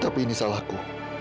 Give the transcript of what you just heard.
tapi ini salahku